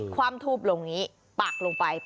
ความทูบลงนี้ปักลงไป